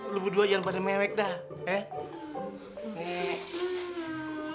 lu berdua jangan pada mewek dah ya